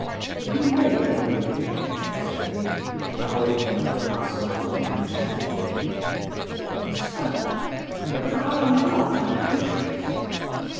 "You may know me," said he, bowing and passing on contentedly. He stopped. "But I am not ambitious."